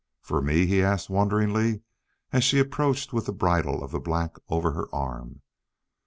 "For me?" he asked, wonderingly, as she approached with the bridle of the black over her arm.